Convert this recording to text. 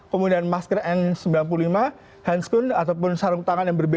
kemudian masker n sembilan puluh lima hand schoon ataupun sarung tangan yang berbeda